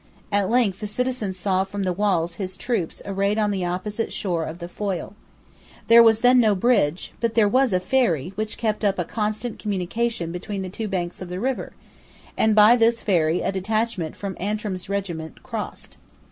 At length the citizens saw from the walls his troops arrayed on the opposite shore of the Foyle. There was then no bridge: but there was a ferry which kept up a constant communication between the two banks of the river; and by this ferry a detachment from Antrim's regiment crossed.